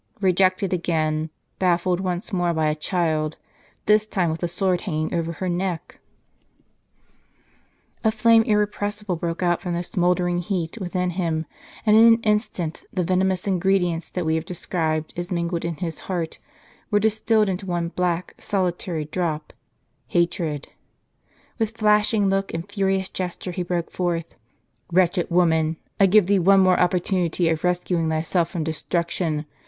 Eejected again, baffled once more by a child, this time Avith the sword hanging over her neck ! A flame irrepressible broke out from the smouldering heat within him ; and, in an instant, the venomous ingredients that we have described as mingled in his heart, were distilled into one black, solitary drop, — hatred. With flashing look, and furious gesture, he broke forth :" Wretched woman, I give thee one more opportunity of rescuing thyself from destruction.